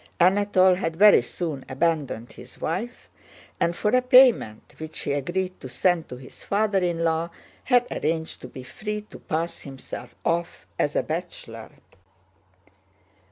Anatole had very soon abandoned his wife and, for a payment which he agreed to send to his father in law, had arranged to be free to pass himself off as a bachelor.